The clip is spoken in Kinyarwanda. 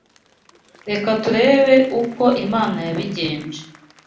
Reka turebe uko Imana yabigenje